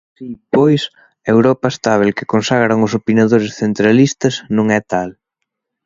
Así, pois, a Europa estábel que consagran os opinadores centralistas, non é tal.